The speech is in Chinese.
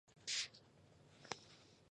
场的存在排除了真正的真空。